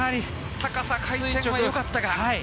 高さ、回転はよかったが。